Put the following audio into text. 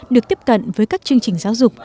được tiếp cận với các chương trình giáo dục